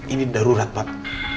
ini darurat pak